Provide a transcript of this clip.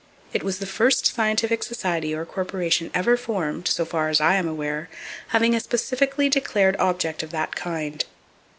It was the first scientific society or corporation ever formed, so far as I am aware, having a specifically declared object of that kind.